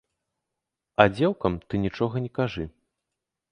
А дзеўкам ты нічога не кажы.